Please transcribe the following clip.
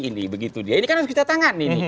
ini kan harus kita tangan